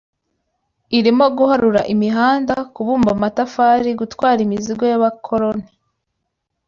irimo guharura imihanda, kubumba amatafari, gutwara imizigo y’abakoloni